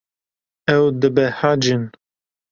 Ew dibehecin.